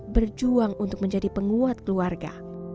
berjuang untuk menjadi penguat keluarga